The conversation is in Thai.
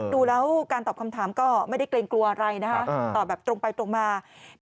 ดูแล้วการตอบคำถามก็ไม่ได้เกรงกลัวอะไรนะคะตอบแบบตรงไปตรงมา